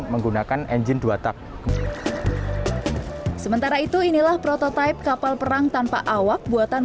menggunakan engine dua tak sementara itu inilah prototipe kapal perang tanpa awak buatan